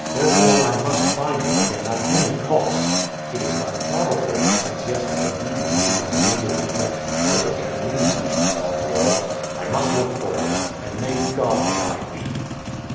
Therefore, I must find her again at any cost. It is not probable that since yesterday evening she has been able to get a carriage and leave Nijni Novgorod. I must look for her. And may God guide me!"